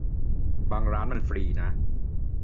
บางร้านมันฟรีนะ